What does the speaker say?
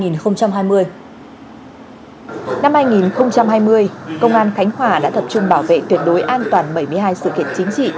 năm hai nghìn hai mươi công an khánh hòa đã tập trung bảo vệ tuyệt đối an toàn bảy mươi hai sự kiện chính trị